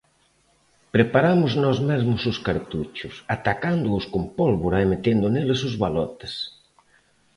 Preparamos nós mesmos os cartuchos, atacándoos con pólvora e metendo neles os balotes.